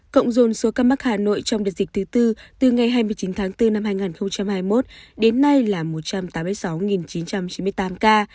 cộng dồn số ca mắc hà nội trong đợt dịch thứ tư từ ngày hai mươi chín tháng bốn năm hai nghìn hai mươi một đến nay là một trăm tám mươi sáu chín trăm chín mươi tám ca